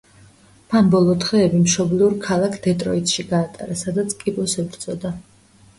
მან ბოლო დღეები მშობლიურ ქალაქ დეტროიტში გაატარა, სადაც კიბოს ებრძოდა.